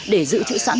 để giữ chữ sẵn